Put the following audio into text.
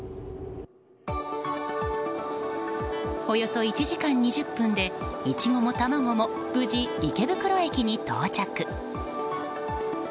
およそ１時間２０分でイチゴも卵も無事、池袋駅に到着。